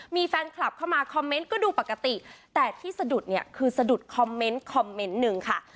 มีแฟนคลับเข้ามาคอมเมนต์ก็ดูปกติแต่ที่สะดุดเนี่ยคือสะดุดคอมเมนต์คอมเมนต์หนึ่งค่ะ